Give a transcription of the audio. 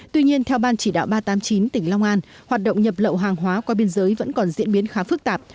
tuy nhiên theo ban chỉ đạo ba trăm tám mươi chín tỉnh long an hoạt động nhập lậu hàng hóa qua biên giới vẫn còn diễn biến khá phức tạp